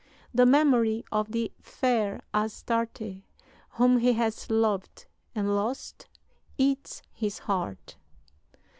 The memory of the fair Astarte, whom he has loved and lost, eats his heart.